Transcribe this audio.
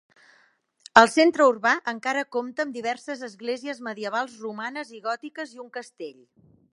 El centre urbà encara compta amb diverses esglésies medievals romanes i gòtiques i un castell.